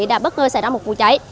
đã bất ngờ xảy ra một vụ cháy